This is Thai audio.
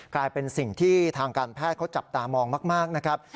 กลายเป็นสิ่งที่ทางการแพทย์เขาจับตามองมากนะครับ